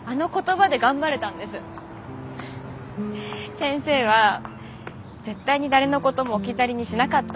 先生は絶対に誰のことも置き去りにしなかった。